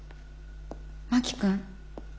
真木君。